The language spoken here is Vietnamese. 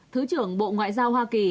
thứ trưởng bộ ngoại giao hoa kỳ